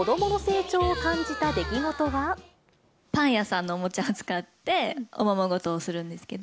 最近、パン屋さんのおもちゃを使って、おままごとをするんですけど。